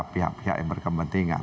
pihak pihak yang berkepentingan